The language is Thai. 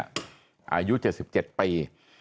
อายุ๗๗ปี